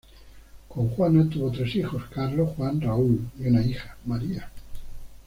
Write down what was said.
Con Juana tuvo tres hijos, Carlos, Juan, Raúl y una hija, María.